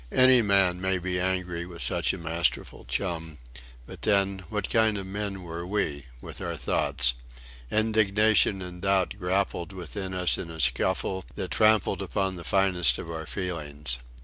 Any man may be angry with such a masterful chum. But, then, what kind of men were we with our thoughts! Indignation and doubt grappled within us in a scuffle that trampled upon the finest of our feelings.